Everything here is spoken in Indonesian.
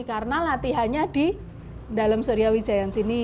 karena latihannya di dalem suryawijaya yang sini